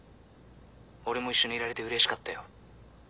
俺も一緒にいられてうれしかったよ。